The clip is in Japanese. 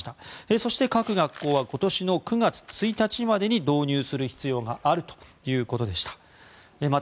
そして各学校は今年の９月１日までに導入する必要があるということでした。